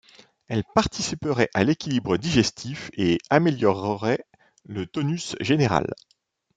Elle participerait à l’équilibre digestif et améliorerait le tonus général.